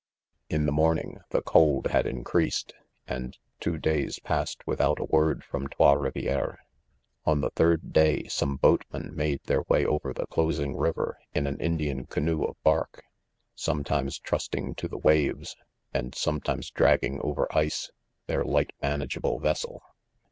'In the morning, the cold had increased; and two days passed without a word from Trais Rivieres. On the third day some boatmen THE CONFESSIONS. 109 made their way over the closing river in an Indian canoe of bark, sometimes trusting to the waves, and sometimes dragging over ice, their light manageable vessel.